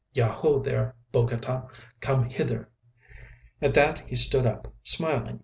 "Yaho there, Bogota! Come hither!" At that he stood up, smiling.